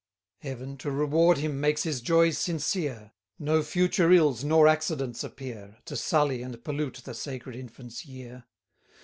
Heaven, to reward him, makes his joys sincere; No future ills nor accidents appear, To sully and pollute the sacred infant's year.